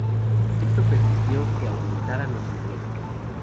Esto permitió que aumentaran los ingresos.